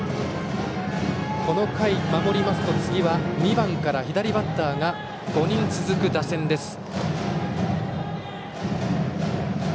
この回、守りますと次は２番から左バッターが５人続く打線です。